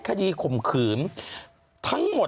คดีขมขืนทั้งหมด